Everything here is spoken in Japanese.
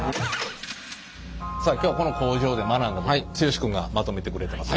さあ今日この工場で学んだこと剛君がまとめてくれてます。